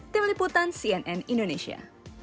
tim liputan cnn indonesia